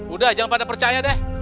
udah jangan pada percaya deh